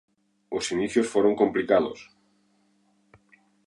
Os inicios foron complicados.